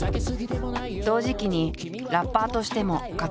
同時期にラッパーとしても活動開始。